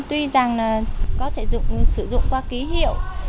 tuy rằng là có thể sử dụng qua ký hiệu